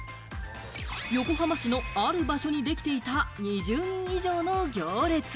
横浜市のある場所にできていた２０人以上の行列。